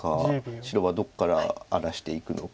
白はどこから荒らしていくのか。